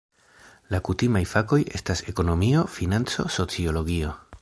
La kutimaj fakoj estas ekonomio, financo, sociologio.